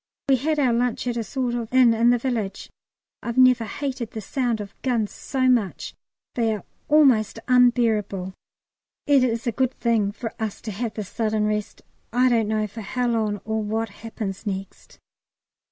We had our lunch at a sort of inn in the village. I've never hated the sound of the guns so much; they are almost unbearable. It is a good thing for us to have this sudden rest. I don't know for how long or what happens next.